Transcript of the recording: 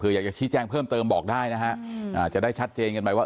คืออยากจะชี้แจ้งเพิ่มเติมบอกได้นะฮะจะได้ชัดเจนกันไปว่า